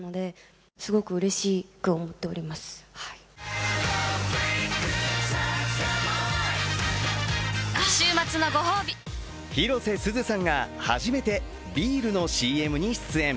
更に、週末には広瀬すずさんが初めてビールのＣＭに出演。